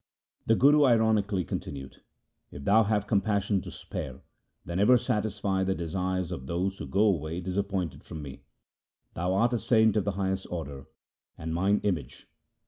' The Guru ironically continued :' If thou have compassion to spare, then ever satisfy the desires of those who go away disappointed from me. Thou art a saint of the highest order, and mine image.